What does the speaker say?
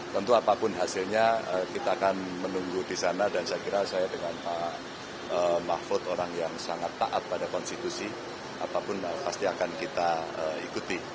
tentu apapun hasilnya kita akan menunggu di sana dan saya kira saya dengan pak mahfud orang yang sangat taat pada konstitusi apapun pasti akan kita ikuti